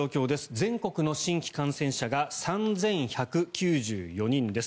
全国の新規感染者が３１９４人です。